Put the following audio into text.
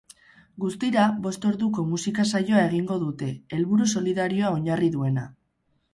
Guztira, bost orduko musika saioa egingo dute, helburu solidarioa oinarri duena.